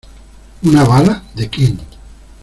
¿ una bala, de quién?